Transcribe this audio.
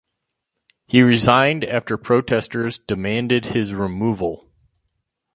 He resigned after protesters demanded his removal.